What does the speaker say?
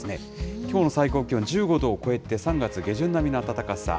きょうの最高気温１５度を超えて、３月下旬並みの暖かさ。